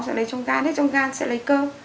nó sẽ lấy trong can hết trong can sẽ lấy cơ